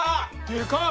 でかい！